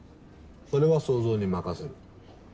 それは想像に任せる。